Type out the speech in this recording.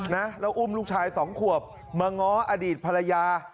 นะแล้วอุ้มลูกชายสองขวบมาง้ออดีตภรรยา